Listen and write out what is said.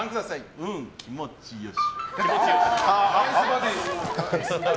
うーん、気持ちよし。